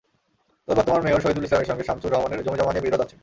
তবে বর্তমান মেয়র শহিদুল ইসলামের সঙ্গে শামছুর রহমানের জমিজমা নিয়ে বিরোধ আছে।